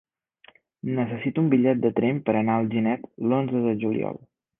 Necessito un bitllet de tren per anar a Alginet l'onze de juliol.